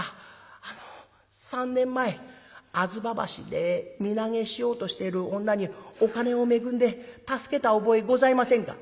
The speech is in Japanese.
あの３年前吾妻橋で身投げしようとしている女にお金を恵んで助けた覚えございませんか？」。